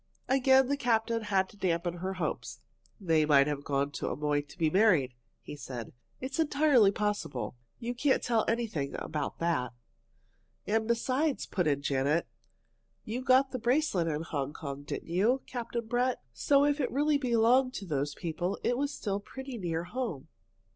Again the captain had to dampen her hopes. "They might have gone to Amoy to be married," he said. "It's entirely possible. You can't tell anything about that." "And besides," put in Janet, "you got the bracelet at Hong Kong, didn't you, Captain Brett? So if it really belonged to those people, it was still pretty near home."